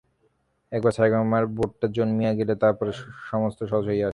একবার সারেগামার বোধটা জন্মিয়া গেলেই তাহার পরে সমস্ত সহজ হইয়া আসে।